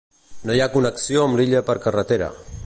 No hi ha connexió amb l'illa per carretera.